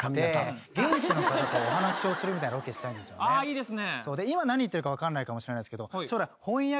いいですね。